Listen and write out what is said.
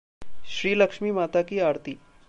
श्रीलक्ष्मी माता की आरती